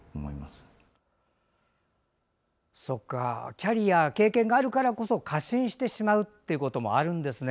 キャリア、経験があるからこそ過信してしまうっていうこともあるんですね。